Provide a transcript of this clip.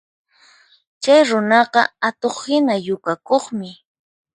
Chay runaqa atuqhina yukakuqmi